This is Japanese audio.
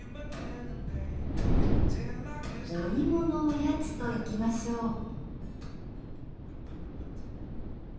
お芋のおやつといきましょう。